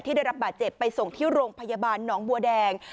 ได้รับบาดเจ็บไปส่งที่โรงพยาบาลหนองบัวแดง